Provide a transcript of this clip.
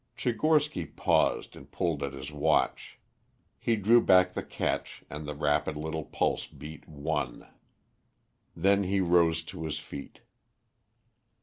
'" Tchigorsky paused and pulled at his watch. He drew back the catch and the rapid little pulse beat one. Then he rose to his feet.